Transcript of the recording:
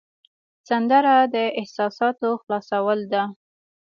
سندره د احساساتو خلاصول ده